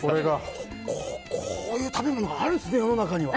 こ、こういう食べ物があるんですね、世の中には。